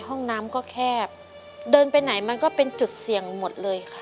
ห้องน้ำก็แคบเดินไปไหนมันก็เป็นจุดเสี่ยงหมดเลยค่ะ